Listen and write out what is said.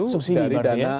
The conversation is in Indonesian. subsidi berarti ya